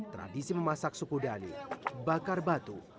tradisi memasak suku dhani bakar batu